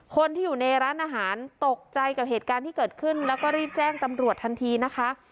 คนที่อยู่ในร้านอาหารตกใจกับเหตุการณ์ที่เกิดขึ้นแล้วก็รีบแจ้งตำรวจทันทีนะคะ